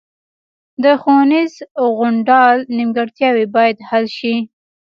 د ښوونیز غونډال نیمګړتیاوې باید حل شي